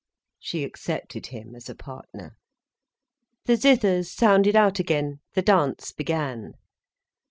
She accepted him as a partner. The zithers sounded out again, the dance began.